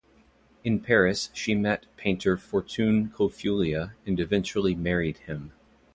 In Paris she met painter Fortune Clofullia and eventually married him.